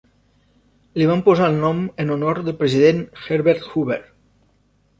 Li van posar el nom en honor del president Herbert Hoover.